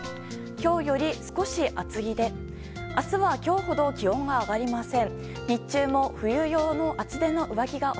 今日よりも雲が多めですが明日は今日ほど気温は上がりません。